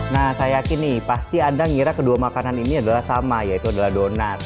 nah saya yakin nih pasti anda ngira kedua makanan ini adalah sama yaitu adalah donat